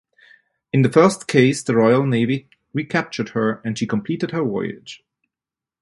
In the first case the Royal Navy recaptured her and she completed her voyage.